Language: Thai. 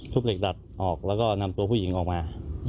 เหล็กดัดออกแล้วก็นำตัวผู้หญิงออกมา